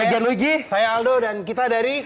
jalur jihaya aldo dan kita dari